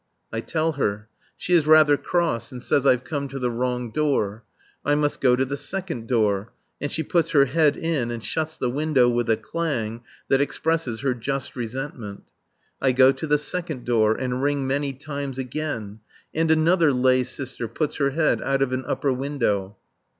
I tell her. She is rather cross and says I've come to the wrong door. I must go to the second door; and she puts her head in and shuts the window with a clang that expresses her just resentment. I go to the second door, and ring many times again. And another lay sister puts her head out of an upper window.